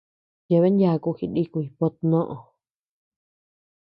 Yeabean yaku jinikuy pö tnoʼö.